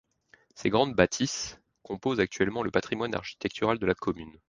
Ces grandes bâtisses composent actuellement le patrimoine architectural de la commune.